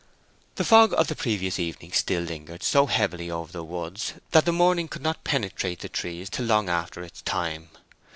The fog of the previous evening still lingered so heavily over the woods that the morning could not penetrate the trees till long after its time.